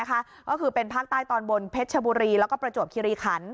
ก็คือเป็นภาคใต้ตอนบนเพชรชบุรีแล้วก็ประจวบคิริขัน